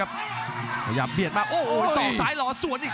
รับทราบบรรดาศักดิ์